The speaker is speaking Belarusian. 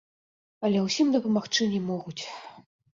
Але ўсім дапамагчы не могуць.